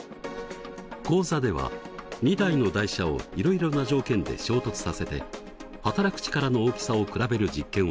講座では２台の台車をいろいろな条件で衝突させてはたらく力の大きさを比べる実験をしました。